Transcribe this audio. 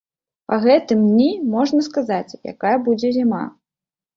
Па гэтым дні можна сказаць, якая будзе зіма.